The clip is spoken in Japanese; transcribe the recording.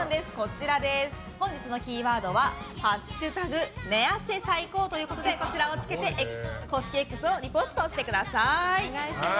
本日のキーワードは「＃寝汗最高」ということでこちらをつけて公式Ｘをリポストしてください。